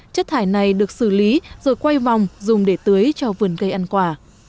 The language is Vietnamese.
chất thải này được xử lý rồi quay vòng dùng để tưới cho vườn cây ăn quả